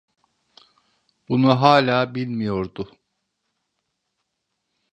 Bunu hâlâ bilmiyordu.